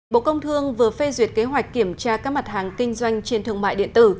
bộ công thương vừa phê duyệt kế hoạch kiểm tra các mặt hàng kinh doanh trên thương mại điện tử